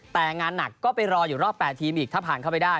แต่งานหนักก็ไปรออยู่รอบ๘ทีมอีกถ้าผ่านเข้าไปได้